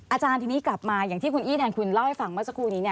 อาจารย์ทีนี้กลับมาอย่างที่คุณอี้แทนคุณเล่าให้ฟังเมื่อสักครู่นี้